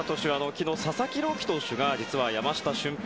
昨日、佐々木朗希投手が山下舜平